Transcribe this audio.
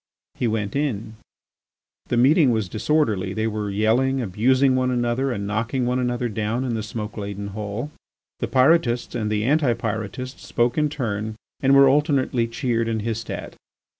He went in. The meeting was disorderly; they were yelling, abusing one another and knocking one another down in the smoke laden hall. The Pyrotists and the Anti Pyrotists spoke in turn and were alternately cheered and hissed at.